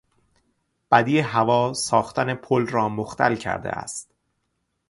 بدی هوا ساختن پل را مختل کرده است.